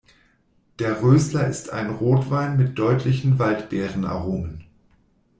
Der Roesler ist ein Rotwein mit deutlichen Waldbeeren-Aromen.